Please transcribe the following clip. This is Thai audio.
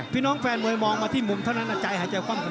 พี่น้องแฟนมวยมองมาที่มุมเท่านั้นใจหายใจคว่ำ